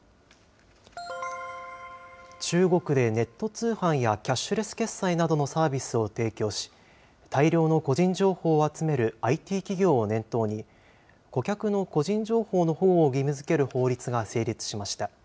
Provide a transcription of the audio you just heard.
中国でネット通販やキャッシュレス決済などのサービスを提供し、大量の個人情報を集めるＩＴ企業を念頭に、顧客の個人情報の保護を義務づける法律が成立しました。